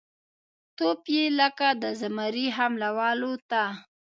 توپ یې لکه د زمري حمله والوته